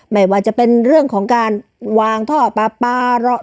ไม่ว่าจะเป็นเรื่องของการวางท่อปลาปลา